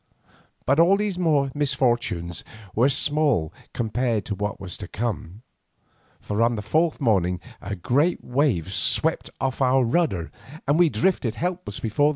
But all these misfortunes were small compared to what was to come, for on the fourth morning a great wave swept off our rudder, and we drifted helpless before the waves.